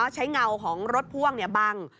เงาของรถพ่วงบัง